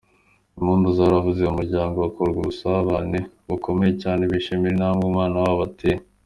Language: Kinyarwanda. Impundu zaravuze mu muryango, hakorwa ubusabane bukomeye cyane bishimira intambwe umwana wabo yateye.